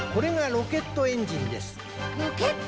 ロケットエンジン？